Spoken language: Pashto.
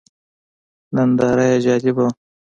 ننداره یې جالبه وه.